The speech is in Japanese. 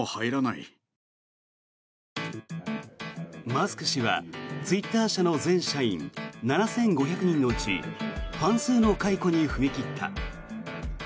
マスク氏はツイッター社の全社員７５００人のうち半数の解雇に踏み切った。